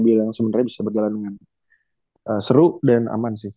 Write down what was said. bisa berjalan dengan seru dan aman sih